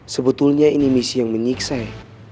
sebetulnya ini misi yang menyiksa ya